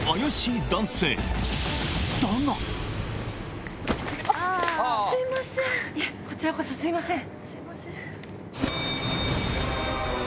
いえこちらこそすいません。